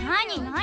何？